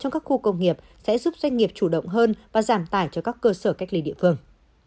trong các khu công nghiệp sẽ giúp doanh nghiệp chủ động hơn và giảm tải cho các cơ sở cách ly địa phương